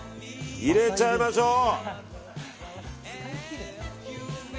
入れちゃいましょう！